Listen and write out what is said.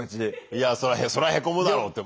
いやあそらへこむだろうって。